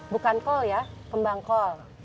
bukan kol ya kembang kol